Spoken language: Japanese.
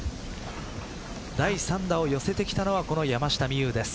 第３打を寄せてきたのはこの山下美夢有です。